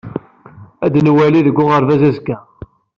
Ad nemmwali deg uɣerbaz azekka.